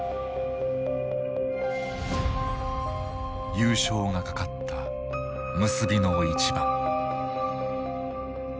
優勝がかかった結びの一番。